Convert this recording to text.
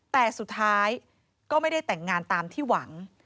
แต่สุดท้ายก็ไม่ได้แต่งงานตามที่หวัง